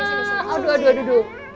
sini sini aduh aduh aduh aduh